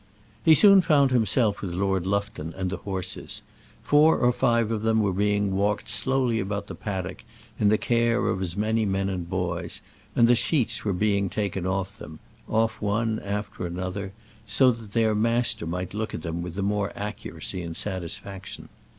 He soon found himself with Lord Lufton and the horses. Four or five of them were being walked slowly about the paddock in the care of as many men or boys, and the sheets were being taken off them off one after another, so that their master might look at them with the more accuracy and satisfaction.